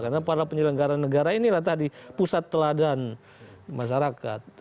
karena para penyelenggara negara ini latah di pusat teladan masyarakat